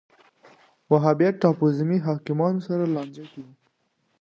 وهابیت ټاپووزمې حاکمانو سره لانجه کې و